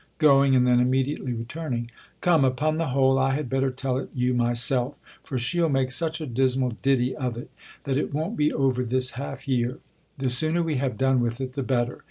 [Go ing ; and then immediately returningS\ Come, upon the whole I had better tell it you myself: for she'll make such a dismal ditty of il, that it won't be over this half year. The sooner we have done with it the better.